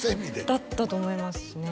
だったと思いますね